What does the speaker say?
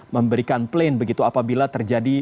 memberikan plan begitu apabila terjadi